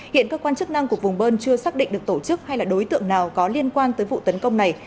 hiện cơ quan chức năng của vùng bơn chưa xác định được tổ chức hay là đối tượng nào có liên quan tới vụ tấn công này